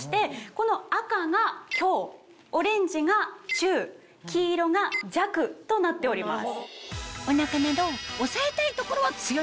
この赤が強オレンジが中黄色が弱となっております。